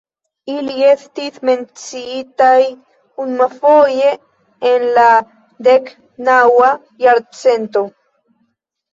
Ili estis menciitaj unuafoje en la deknaŭa jarcento.